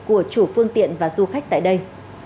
của chủ phương tiện và du khách tại đây